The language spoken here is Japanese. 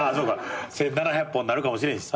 １，７００本になるかもしれんしさ。